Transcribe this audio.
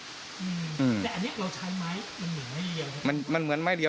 แต่อันนี้เราใช้ไม้มันเหมือนไม้เดียว